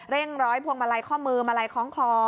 เร่งร้อยพวงมาลัยข้อมือมาลัยของคลอ